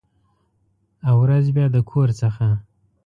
او، ورځ بیا د کور څخه